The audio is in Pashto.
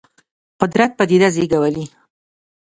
قدرت پدیده زېږولې.